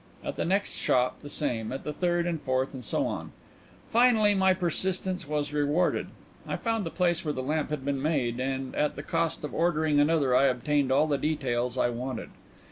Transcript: At the next shop the same; at the third, and fourth, and so on. Finally my persistence was rewarded. I found the place where the lamp had been made, and at the cost of ordering another I obtained all the details I wanted.